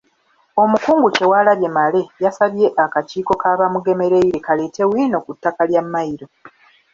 Omukungu Kyewalabye Male yasabye akakiiko ka Bamugemereire kaleete bwino ku ttaka lya Mmayiro.